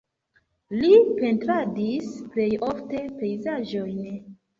Li pentradis plej ofte pejzaĝojn.